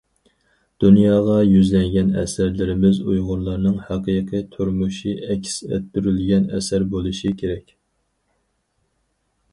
دۇنياغا يۈزلەنگەن ئەسەرلىرىمىز ئۇيغۇرلارنىڭ ھەقىقىي تۇرمۇشى ئەكس ئەتتۈرۈلگەن ئەسەر بولۇشى كېرەك.